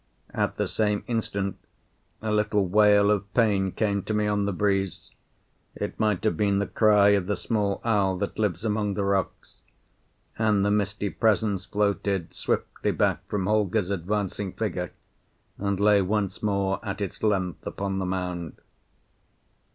At the same instant a little wail of pain came to me on the breeze it might have been the cry of the small owl that lives among the rocks and the misty presence floated swiftly back from Holger's advancing figure and lay once more at its length upon the mound.